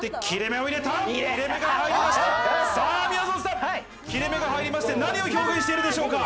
みやぞんさん、切れ目が入りまして、何を表現しているでしょうか？